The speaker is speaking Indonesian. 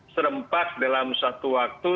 serempak dalam suatu waktu